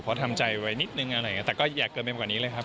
เพราะทำใจไวนิดหนึ่งแต่ก็อยากเกินเกอร์เบอร์กว่านี้เลยครับ